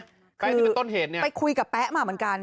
ซิมันต้นเหตุเนี่ยไปคุยกับแป๊มาเหมือนกัน